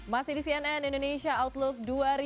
masih di cnn indonesia outlook dua ribu dua puluh